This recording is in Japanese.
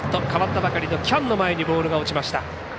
代わったばかりの喜屋武の前にボールが落ちました。